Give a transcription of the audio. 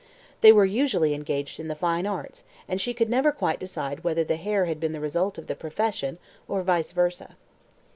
They were usually engaged in the Fine Arts, and she could never quite decide whether the hair had been the result of the profession, or vice versa.